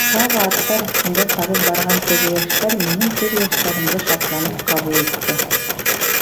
Тағы аттары өҫтөндә сабып барған теге йәштәр минең күҙ йәштәремде шатланып ҡабул итте.